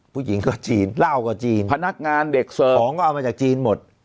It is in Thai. ผู้หญิงก็จีนเหล้าก็จีนพนักงานเด็กเสิร์ฟของก็เอามาจากจีนหมด